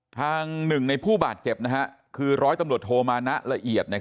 ทางหนึ่งในผู้บาดเจ็บคือร้อยตำรวจโทมานะละเอียด